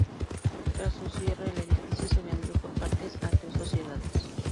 Tras su cierre el edificio se vendió por partes a tres sociedades.